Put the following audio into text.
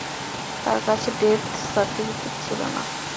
তাঁর কাছে death certificate ছিল না।